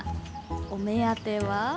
お目当ては。